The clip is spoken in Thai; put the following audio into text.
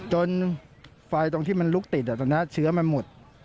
จนไฟตรงที่มันลุกติดตอนนี้เชื้อมันหมด